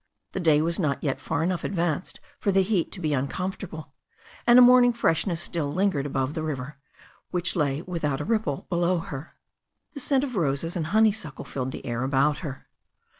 The day was not yet far enough advanced for the heat to be uncomfortable, and a morning freshness still lingered above the river, which lay without a ripple below her. The scent of roses and honeysuckle filled the air about her.